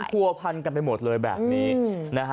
มันทั่วพันกันไปหมดเลยแบบนี้